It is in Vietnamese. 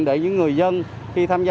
để những người dân khi tham gia